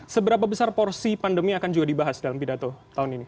seberapa besar porsi pandemi akan juga dibahas dalam pidato tahun ini